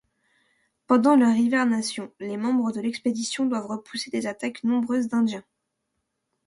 Pendant leur hivernation, les membres de l'expédition doivent repousser des attaques nombreuses d'Indiens.